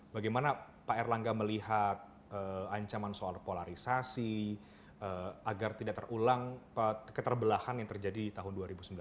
bagaimana pak erlangga melihat ancaman soal polarisasi agar tidak terulang keterbelahan yang terjadi di tahun dua ribu sembilan belas